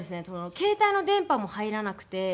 携帯の電波も入らなくて。